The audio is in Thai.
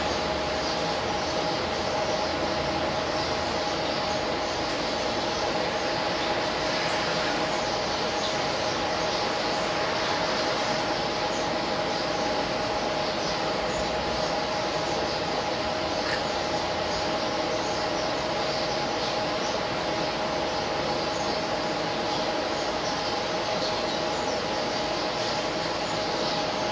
หัวเราขาดขนาด๑๓ผมพบของเขา